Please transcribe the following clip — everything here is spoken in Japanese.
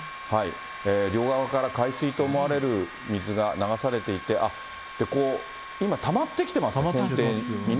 両側から海水と思われる水が流されていて、こう、今、たまってきてますね、船底にね。